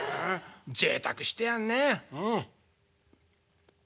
ぜいたくしてやんねうん」。